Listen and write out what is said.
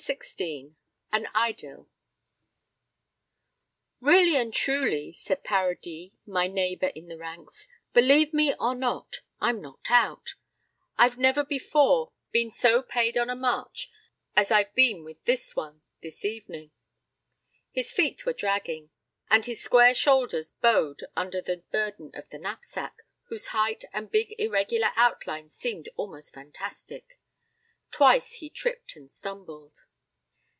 XVI An Idyll "REALLY and truly," said Paradis, my neighbor in the ranks, "believe me or not, I'm knocked out I've never before been so paid on a march as I have been with this one, this evening." His feet were dragging, and his square shoulders bowed under the burden of the knapsack, whose height and big irregular outline seemed almost fantastic. Twice he tripped and stumbled.